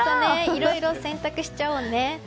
いろいろ洗濯しちゃおうね。